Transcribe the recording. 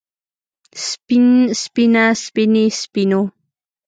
سپين سپينه سپينې سپينو